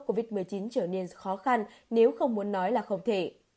covid một mươi chín trở nên khó khăn nếu không muốn nói là không thể